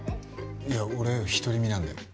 いや俺独り身なんで。